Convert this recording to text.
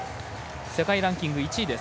世界ランキング１位です。